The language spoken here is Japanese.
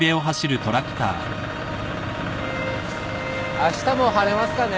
あしたも晴れますかね？